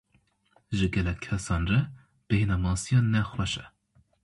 Ji gelek kesan re, bêhna masiyan ne xweş e.